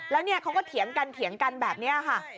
แล้วเนี่ยเขาก็เถียงกันเถียงกันแบบนี้ค่ะ